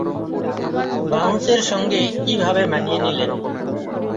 বাউন্সের সঙ্গে কীভাবে মানিয়ে নিলেন।